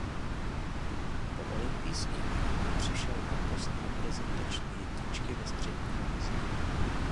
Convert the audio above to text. Po olympijských hrách přišel o post reprezentační jedničky ve střední váze.